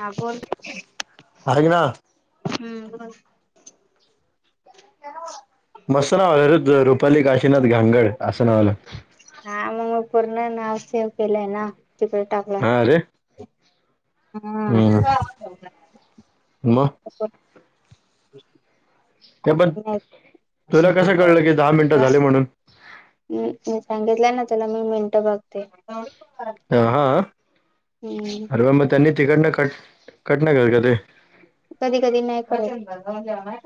हां बोल ऐक ना हम् मस्त नाव आहे रे रुपाली काशीनाथ घांगड असं नाव आलं हा मग मी पूर्ण नाव सेव केलंय ना तिकडे टाकलंय हम् म [unintelligible] हे बरं तुला कसं कळलं की दहा मिनटं झाले म्हणून म्हटल्या तुला मी मिनटं बघ अ हा हम्म अर म त्यांनी तिकडन कट कट नाही झाले का ते कधी कधी नाही [unintelligible]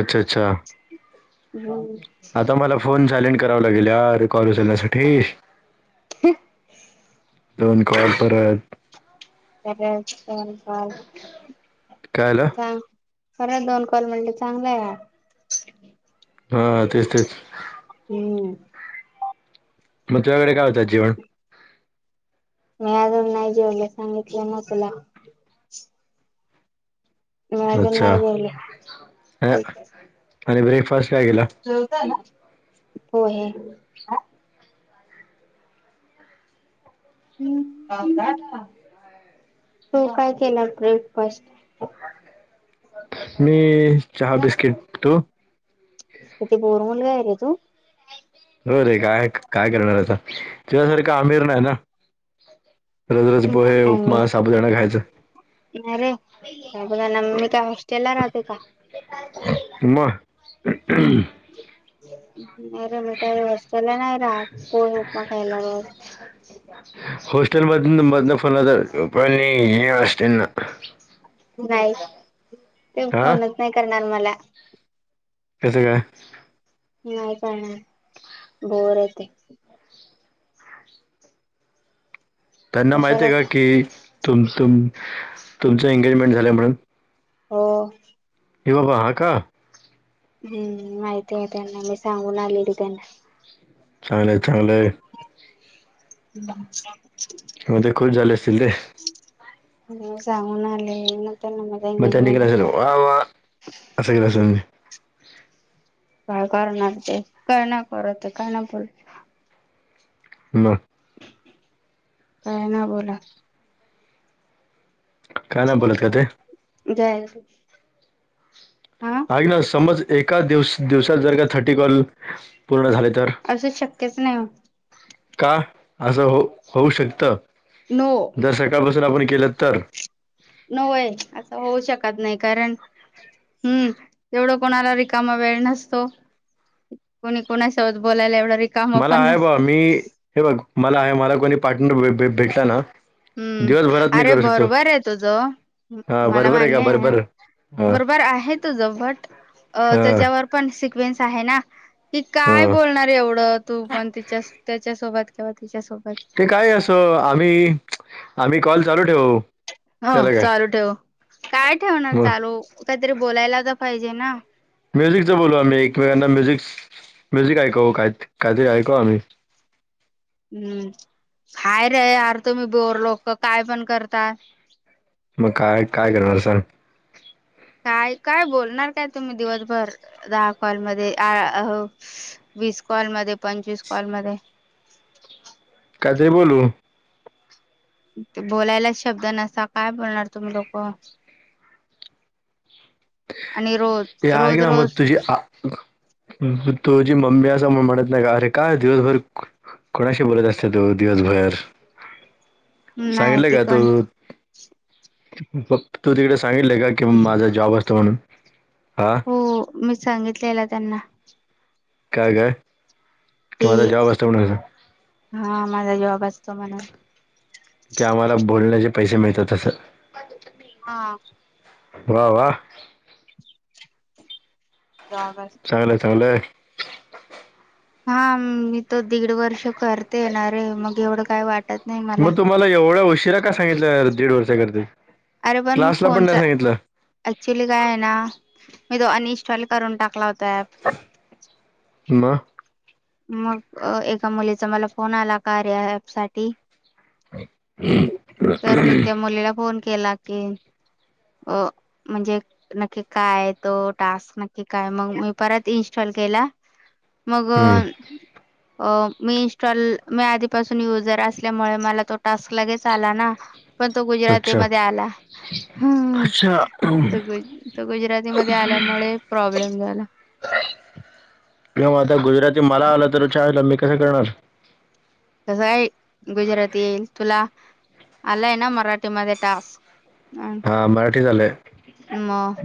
अच्छा अच्छा हम्म आता मला फोन सायलेंट करावा लागेल यार कॉल उचलण्यासाठी [unintelligible] दोन कॉल परत [inaudible] काय आलं खरं दोन कॉल म्हणले चांगला आहे यार हा तेच तेच हम्म मग तुझ्याकडे काय होतात जेवण मी अजून नाही जेवलं सांगितलं ना तुला मी अजून अच्छा नाही अ, ज [unintelligible] आणि ब्रेकफास्ट काय केला जेवताय ना हो हे हम्म तो काय केला ब्रेकफास्ट मी चहा बिस्किट तू तिथे बोर मुलगाय रे तू हो रे काय काय करणारता तुझ्यासारखं आमिर नाही ना रोज रोज पोहे उपमा साबुदाणा खायचा नाय रे मी काय हॉस्टेल ला राहते का? मग [unintelligible] नाहीरे मी का हॉस्टेलला नाही राहत पोहे उपमा खायला रोज ल मदन मदन फोन लावता पणी ये असतय ना नाही ते हा फोनच नाही करणार मला कस काय नाही काणार बोर येत त्यांना माहित कशाला आहे का फोन की तुमु तुमचं एंगेजमेंट झालं म्हणून हो हे बाबा हा का हम्म माहितीते त्यांना मी सांगून आलेली त्यांना चागलय चांगलंय हम हो ते खूष झाले असतील ते हो सांगून आले त्यांना माझा मग तेनी एंगेजमेंट केला असेल होणार वा वा असं केलं असल काय करणार ते काय नाही करते काय नाही बोल ना काय ना बोला काय नाही बोलत का ते झाल ऐक ना समज एका दि दिवसात जर का थर्टी कॉल पूर्ण झाले तर असं शक्यच नाही हो का असं हो होऊ शकत नो जर सकाळपासून आपण केलं तर नवय असं होऊ शकत नाही कारण हम्म एवढं कोणाला रिकामा वेळ नसतो कोणी कोणासोबत बोलायला एवढं मला आहे बा मी हे बघ मला आहे मला कोणी पार्टनर भेटला ना हम्म दिवसभरात मी अरे करू शकतो बरोबर आहे तुझं हां मला बरोबर का मान्य आहे बरोबर हां बरोबर आहे तुझ बट हां त्याच्यावर पण सिक्वेन्स आहे ना की काय हां बोलणार एवढं तू पण तिच्या त्याच्यासोबत किंवा तिच्यासोबत ते काय असं आम्ही आम्ही कॉल चालू ठेवू ह त्याला काय चालू ठेव काय ठेवणार मग चालू काहीतरी बोलायला तर पाहिजे ना म्युझिकच बोलू आम्ही एकमेकांना म्युझिक म्युझिक ऐक काय काहीतरी ऐकव आम्ही हम्म काय रे यार तुम्ही बोरलोक काय पण करता मग काय काय करणार सांग काय काय बोलणार काय तुम्ही दिवसभर दहा कॉल मधे वीस कॉल म पंचवीस कॉल मध्ये काहीतरी बोलू ते बोलायलाच शब्द नसता काय बोलणार तुम्ही लोक आणि ते रोज आहे रोज ना मग रोज तुझी तुझी मम्मी अस म्हणत नाही का अरे काय दिवसभर कोणाशी बोलत असते तु दिवसभर नाही सांगितलं का तिकण तू तू तिकडे सांगितलले का कि माझा जॉब असतो म्हणून हा हो मी सांगितलेला त्यांना का ग. कि हा माझा जॉब असतो म्हणून की आम्हाला बोलण्याचे पैसे मिळतात तसं. हा वा वा. [unintelligible] चांगलंय चांगलंय. हा मी त दीड वर्ष करते येणार रे मग एवढं काय वाटत नाही मला मग तुम्हाला एवढ्या उशिरा का सांगितल्या दीड वर्ष करते. अरे पण मी फोनचा ऍक्च्युली काय आहे ना मी तो अनइन्स्टॉल करून टाकला होता ऍप म मग एका मुलीचा मला फोन आला कार्या ॲप साठी [unintelligible] तर मी त्या मुलीला फोन केला की अ म्हणजे नक्की काय तो टास्क नक्की काय मग मी परत इनस्टॉल केला. [unintelligible] मग अ मी इन्स्टॉल मी आधीपासून युजर असल्यामुळे मला तो टास्क लगेच आला ना पण तो अच्छा गुजरातीमध्ये आला. हु अच्छा गुजरातीमध्ये आल्यामुळे प्रॉब्लेम झाला. न आता गुजराती मला आलं तर च आईला मी कसं करणार. कसं काय गुजराती येईल तुला आला आहे ना मराठी मध्ये टास्क अ हा मराठी झालंय मग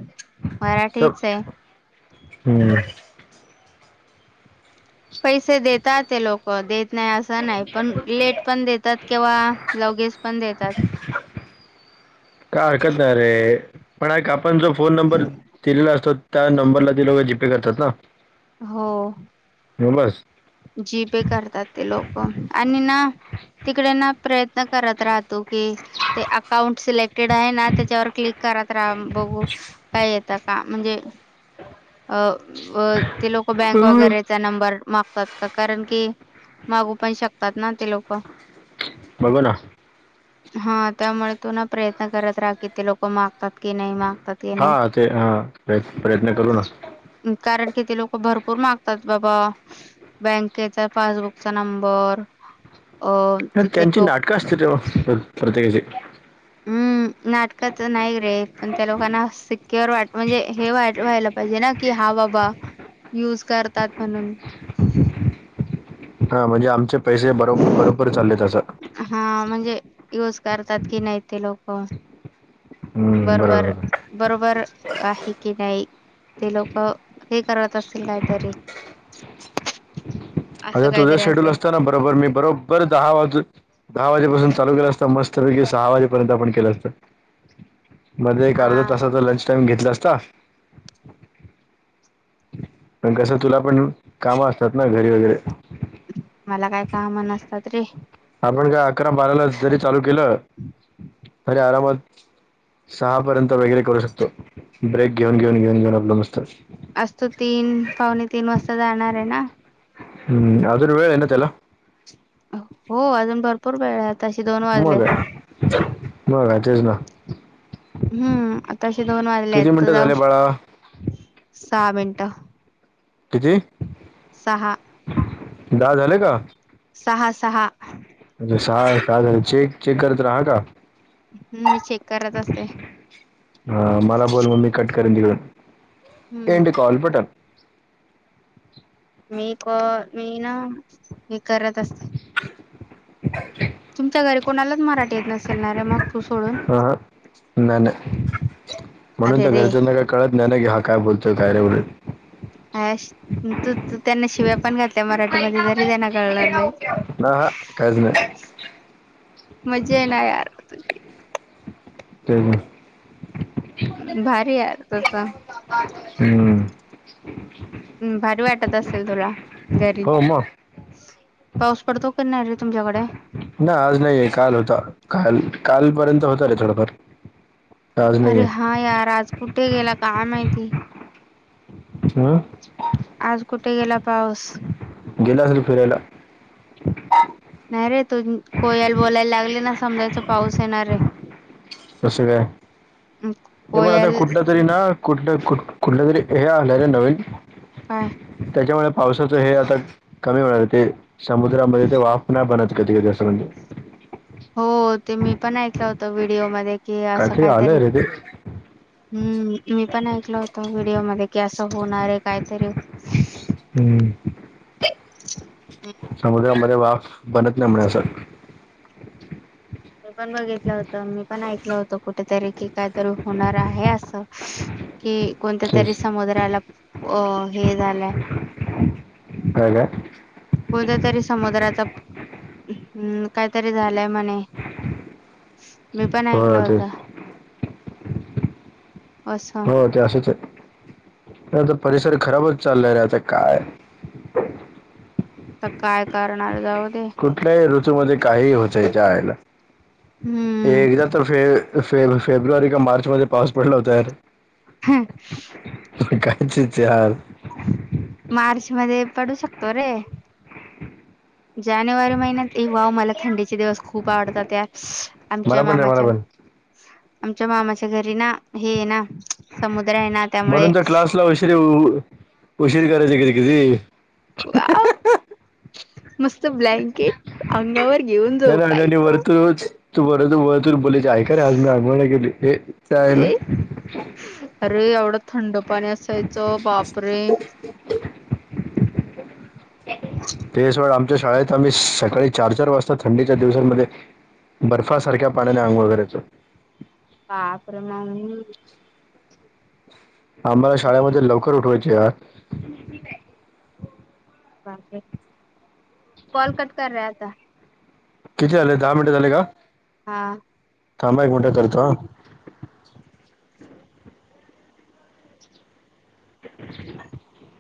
सब मराठीच आहे. हम्म. पैसे देतात ते लोक देत नाही असं नाही पण लेट पण देतात केव्हा लगे च पण देतात. [unintelligible] का हरकत नाही रे पण आपण जो फोन नंबर दिलेला असतो त्या नंबरला दिलं व जीपे करतात ना हो. मंग बस. जी पे करतात ते लोक आणि ना तिकडे ना प्रयत्न करत राहतो की ते अकाउंट सिलेक्टेड आहे ना त्याच्यावर क्लिक घात रा बघू काय येत का म्हणजे अ ते लोक बँक बस वगैरेचा नंबर मा का कारण की मागू पण शकतात ना ते लोक [unintelligible] हा त्यामुळे तू ना प्रयत्न करत राहा कि ते लोक मागतात की नाही माग हा ते हा प्रय प्रयत्न करू ना कारण किती लोक भरपूर मागतात बाबा बँकेचा पासबुकचा नंबर अ अ तिथे त्यांची टोक नाटकं असतील ते प्रत्येकाची हम् नाटकच नाही रे पण त्या लोकांना अस वाट म्हणजे हे व्हायला पाहिजे ना की हा बाबा युज करतात म्हणून... हा म्हणजे आमचे... पैसे बरो बरोबर चालेत अस... ही नाही ती लोक... बरोबर बरोबर आहे की नाही... ते लोक हे करत असतील काहीतरी... अ असं तुझ्या काहीतरी शेड्यूल असेल असत ना बरोबर मी बरोबर दहा वाजून... दहा वाजेपासून चालू केलं असत मस्तपैकी सहा वाजेपर्यंत आपण केलं असत.. मध्ये एक अर्धा हा तासाचा लंच टाइम घेतला असता. पण कसं तुला पण काम असतात ना घरी वगैरे... मला काय काम नसतात रे... आपण काय अकरा बाराला जरी चालू केलं तरी आरामात... सहापर्यंत वगैरे करू शकतो ब्रेक घेऊन घेऊन घेऊन घेऊन आपलं मस्त... आज तू तीन पावणे तीन वाजता जाणार आहे ना... हम्म अजून वेळ आहे ना तेला.. हो अजून भरपूर वेळ... तशी दोन म वाजलेत काय मग काय तेच ना... हम्म आता अशे दोन वाजले आहेत किती तर मिनिटं जाऊ झाले शक.. बाळा सहा मिनटं.... किती... दहा झाले का... सहा सहा... स चेक चेक करत रहा का... मी चेक करत असते अ मला बोल मग मी कट करन तिकडून.. हम्म एंड कॉल पट.. मी ब मी ना हे करत असते... [unintelligible] तुमच्या घरी कोणालाच मराठी येत नसेलणारे मग... तू सोडून ह न नाही नाही म्हणून अरे रे घरच्यांना का कळत नाही ना हाक... काय बोलतोय काय रे बोल.. तू त्यांना शिव्या पण घात... त्या मराठीमध्ये तरी त्यांना कळणार नाही... हा हा काहीच नाही मजा ना यार तुझी... ते... भारी या तस.... हम्म. हम् भारी वाटत असेल तुला घरी... हो मग पाऊस पडतो क नाही रे तुमच्याकडे... ना आज नाहीये काल होता काल कालपर्यंत होता रे थोडंफार... अरे हा यार आज कुठे गेला काय माहिती... हं... आज कुठे गेला पाऊस... गेला असल फिरायला... नाही रे तू कोयाल बोलायला लागले ना समजायच पाऊस येणार आहे... तसं काय तरी पण आता कोयल कुठलं तरी ना कुठलं कुठ... कुठल तरी हे आलंय नवीन.. बाय... त्याच्यामुळे पावसाचं हे आता कमी होणार ते समुद्रामध्ये ते वाफ नाही बनत कधी कधी अस म्हणजे... [inaudible] [unintelligible] हो ते मी पण ऐकलं होतं व्हिडिओ मध्ये कि असं आलंय काहीतरी... रे ते हम्म मी पण ऐकल होत व्हिडिओमध्ये कि असं होणार आहे काय तरी... हम्म. समुद्रामध्ये वाफ बनत नाही म्हणे असं मी पण बघितलं होत मी पण ऐकलं होत कुठेतरी कि काहीतरी होणार आहे असं. कि कोणत्या तरी तेच. समुद्राला अ हे झालंय होई काय कोणत्या तरी समुद्राच काहीतरी झालंय म्हणे मी पण ऐकल हो होत तेच हो ते असच आहे. नाही तर परिसर खराबच चालले रे आता काय आ काय कारणार जाऊन कुठल्याही ऋतूमध्येध्ये काही होतय त्यायाच्या आईला हम्म एकदा तर फे फेब्रुवारी का मार्च मध्ये पाऊस पडला होता यार [inaudible] कायचेच हार मार्च मध्ये पडू शकतो रे जानेवारी महिन्यात एक वाह मला थंडीचे दिवस खूप आवडतात त्या मला आमच्या पण रे मामाच्या [inaudible] आमच्या मामाच्या घरी ना हे आहे ना समुद्र आहे. ना त्यामुळे म्हणून तर क्लासला उशीरी उशीर करायची किधी कधी वाव [inaudible] मस्त ब्लँकेट अंगावर घेऊन नाही नाही झोपायचं वरतू तू बर तू बर बोलायचे आहे का रे आज मी आगमन केली हे का आहेला ए पाणी असायचं बापरे! ते सोड आमच्या शाळेत आम्ही सकाळी चार चार वाजता थंडीच्या दिवसांमध्ये बर्फासारख्या पाण्याने अंगोळ करायचं ह अप्रमा आम्हाला शाळेमध्ये लवकर उठवायचे यार बाक कॉल कट कर रे आता किती आले दहा मिनिटं झाले का हा थांबा एक मिंट करतो [inaudible]